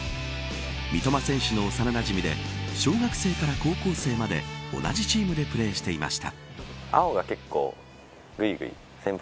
三笘選手の幼なじみで小学生から高校生まで同じチームでプレーしていました。